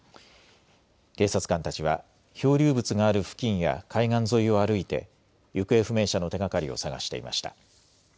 警察官たちは漂流物がある付近や海岸沿いを歩いて行方不明者の手がかりを探していました。